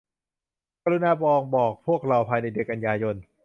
กรุณาลองบอกพวกเราภายในเดือนกันยายน